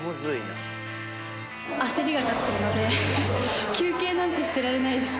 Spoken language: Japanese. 焦りが勝ってるので、休憩なんてしてられないです。